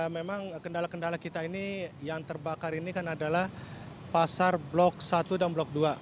memang kendala kendala kita ini yang terbakar ini kan adalah pasar blok satu dan blok dua